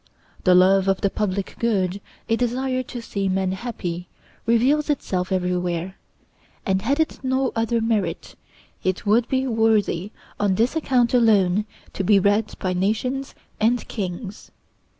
The love of the public good, a desire to see men happy, reveals itself everywhere; and had it no other merit, it would be worthy, on this account alone, to be read by nations and kings.